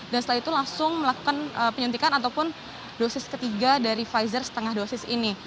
dan setelah itu langsung melakukan penyuntikan ataupun dosis ketiga dari pfizer setengah dosis ini